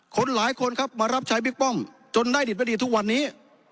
คนหลายคนครับมารับใช้บิ๊กป้อมจนได้ดิบไม่ดีทุกวันนี้